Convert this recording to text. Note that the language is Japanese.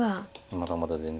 まだまだ全然。